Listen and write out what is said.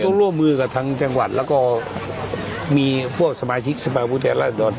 ต้องร่วมมือกับทางจังหวัดแล้วก็มีพวกสมาชิกสมัยบุรุษแหล่ะ